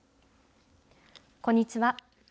こんにちは。